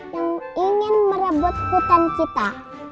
yang ingin merebut hutan kita